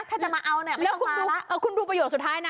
ถ้าจะมาเอาเนี่ยไม่ต้องมาแล้วแล้วคุณดูเอาคุณดูประโยชน์สุดท้ายน่ะ